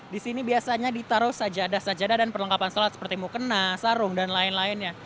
disini biasanya ditaruh sajadah sajadah dan perlengkapan solat seperti mukena sarung dan lain lainnya